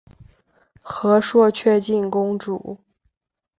和硕悫靖公主。